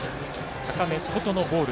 高め、外のボール。